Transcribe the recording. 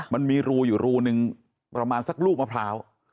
มันมีรูอยู่รูนึงประมาณสักลูกมะพร้าว